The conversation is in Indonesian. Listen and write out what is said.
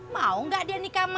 mau gak dia nikah sama lo